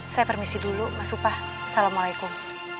saya permisi dulu mas upah assalamualaikum